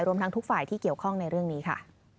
รวมทั้งทุกฝ่ายที่เกี่ยวข้องในเรื่องนี้ค่ะ